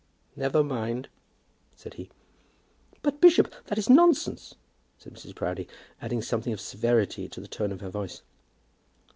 "Never mind," said he. "But, bishop, that is nonsense," said Mrs. Proudie, adding something of severity to the tone of her voice.